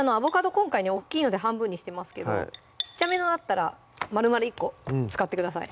今回ね大っきいので半分にしてますけど小っちゃめのだったらまるまる１個使ってください